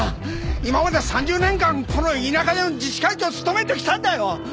今まで３０年間この田舎で自治会長を務めてきたんだよ！